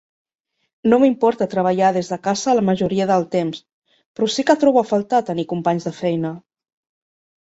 No m'importa treballar des de casa la majoria del temps, però sí que trobo a faltar tenir companys de feina.